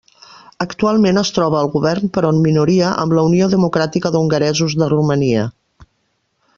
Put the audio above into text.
Actualment es troba al govern, però en minoria, amb la Unió Democràtica d'Hongaresos de Romania.